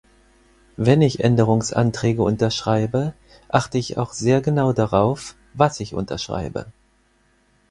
Wenn ich Änderungsanträge unterschreibe, achte ich auch sehr genau darauf, was ich unterschreibe.